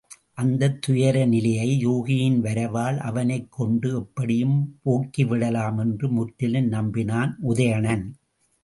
அந்தத் துயர நிலையை யூகியின் வரவால், அவனைக் கொண்டு எப்படியும் போக்கிவிடலாம் என்று முற்றிலும் நம்பினான் உதயணன்.